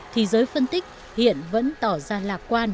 thì giới phân tích hiện vẫn tỏ ra lạc quan